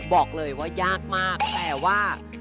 บอกเลยว่ายากมากแต่ว่า